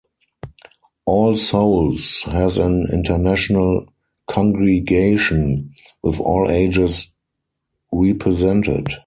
All Souls has an international congregation, with all ages represented.